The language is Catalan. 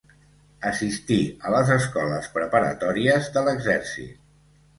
Assistí a les escoles preparatòries de l'exèrcit.